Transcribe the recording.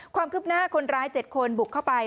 ความคืบหน้าคนร้าย๗คนบุกเข้าไป